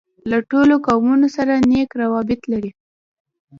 له ټولو قومونوسره نېک راوبط لري.